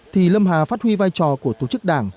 thì lâm hà phát huy vai trò của tổ chức đảng